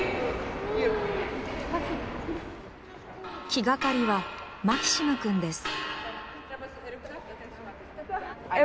気掛かりはマキシムくんです。